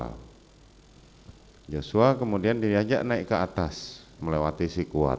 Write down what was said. hai joshua kemudian diajak naik ke atas melewati si kuat